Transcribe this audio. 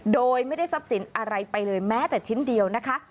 โดยไม่ได้ทรัพย์สินอะไรไปเลยแม้แต่ชิ้นเดียวนะคะ